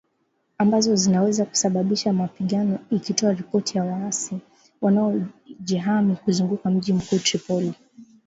ambazo zinaweza kusababisha mapigano ikitoa ripoti za waasi wanaojihami kuzunguka mji mkuu Tripoli